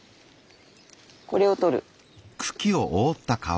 これを取る。